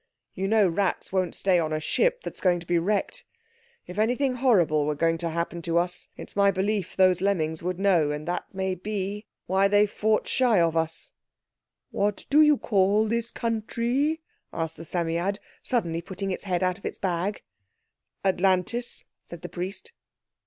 You know rats won't stay on a ship that's going to be wrecked. If anything horrible were going to happen to us, it's my belief those Lemmings would know; and that may be why they've fought shy of us." "What do you call this country?" asked the Psammead, suddenly putting its head out of its bag. "Atlantis," said the priest.